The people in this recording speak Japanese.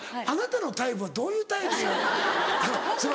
あなたのタイプはどういうタイプ？